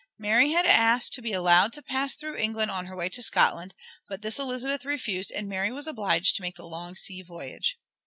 Mary had asked to be allowed to pass through England on her way to Scotland, but this Elizabeth refused, and Mary was obliged to make the long sea voyage.